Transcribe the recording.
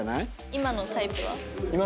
今のタイプ？